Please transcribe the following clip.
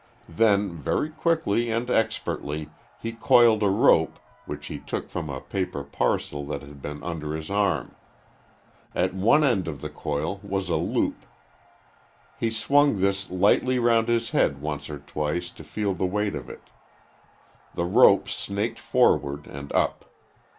Then, very quickly and expertly, he coiled a rope which he took from a paper parcel that had been under his arm. At one end of the coil was a loop. He swung this lightly round his head once or twice to feel the weight of it. The rope snaked forward and up.